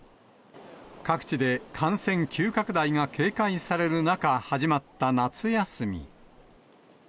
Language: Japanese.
各地で感染急拡大が警戒される中、始まった夏休み。